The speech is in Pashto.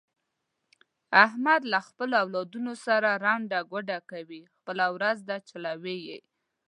احمد له خپلو اولادونو سره ړنده ګوډه کوي، خپله ورځ ده چلوي یې.